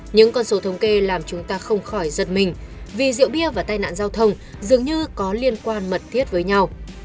những con số thống kê làm chúng ta không khỏi giật mình vì rượu bia và tai nạn giao thông dường như có liên quan mật thiết với nhau